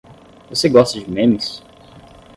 Você gosta de memes?